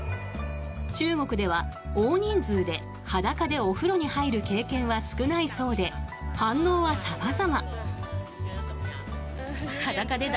中国では大人数で、裸でお風呂に入る経験は少ないそうで反応は様々。